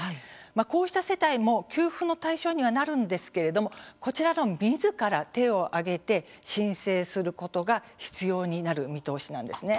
こうした世帯も、給付の対象にはなるんですけれどもみずから手を挙げて申請することが必要になる見通しなんですね。